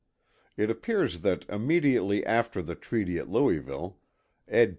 It appears that immediately after the treaty at Louisville, Ed.